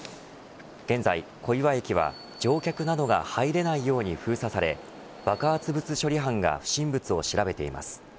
現在、小岩駅は乗客などが入れないように封鎖され爆発物処理班が不審物を調べています。